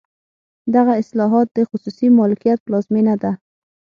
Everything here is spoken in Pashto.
دغه اصلاحات د خصوصي مالکیت پیلامه ده.